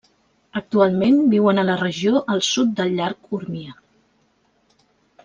Actualment viuen a la regió al sud del llac Urmia.